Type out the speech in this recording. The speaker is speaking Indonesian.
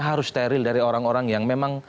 harus steril dari orang orang yang memang